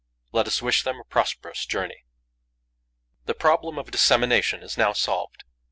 Let us wish them a prosperous journey. The problem of dissemination is now solved.